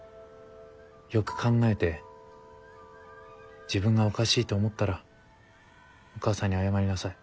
よく考えて自分がおかしいと思ったらお母さんに謝りなさい。